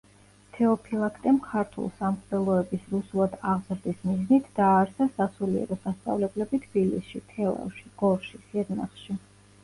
თეოფილაქტემ ქართულ სამღვდელოების რუსულად აღზრდის მიზნით დააარსა სასულიერო სასწავლებლები თბილისში, თელავში, გორში, სიღნაღში.